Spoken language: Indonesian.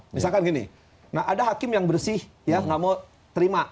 misalkan gini ada hakim yang bersih gak mau terima